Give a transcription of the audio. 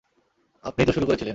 আপনিই তো শুরু করেছিলেন।